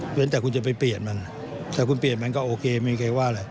เพราะฉะนั้นแต่คุณจะไปเปลี่ยนมันแต่คุณเปลี่ยนมันก็โอเคไม่เคยว่าอะไร